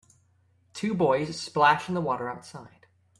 Two boys splash in the water outside